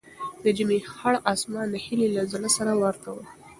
د ژمي خړ اسمان د هیلې له زړه سره ورته و.